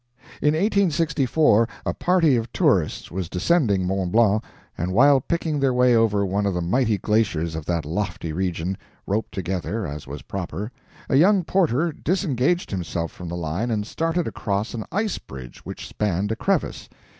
In 1864 a party of tourists was descending Mont Blanc, and while picking their way over one of the mighty glaciers of that lofty region, roped together, as was proper, a young porter disengaged himself from the line and started across an ice bridge which spanned a crevice.